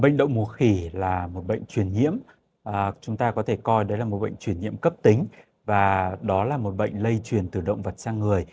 bệnh động mùa khỉ là một bệnh chuyển nhiễm chúng ta có thể coi là một bệnh chuyển nhiễm cấp tính và đó là một bệnh lây chuyển từ động vật sang người